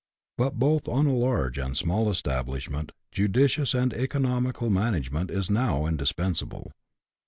But both on a large and small establishment judicious and economical management is now indispensable.